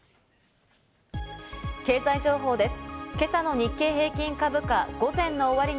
経済情報です。